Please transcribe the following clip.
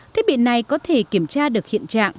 thiết bị này có thể kiểm tra được hiện trạng